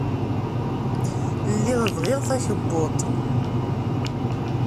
Lliɣ bɣiɣ takebbuḍt.